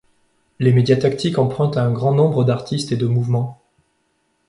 Les médias tactiques empruntent à un grand nombre d'artistes et de mouvements.